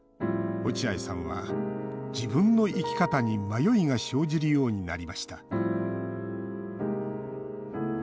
落合さんは自分の生き方に迷いが生じるようになりました